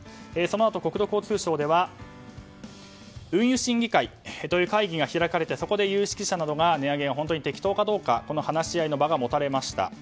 そのあと国土交通省では運輸審議会という会議が開かれてそこで有識者などが値上げが本当に適当かどうか話し合いの場が持たれました。